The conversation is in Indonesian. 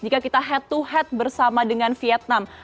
jika kita head to head bersama dengan vietnam